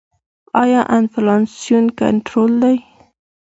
آیا انفلاسیون کنټرول دی؟